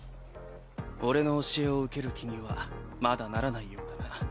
俺の教えを受ける気にはまだならないようだな。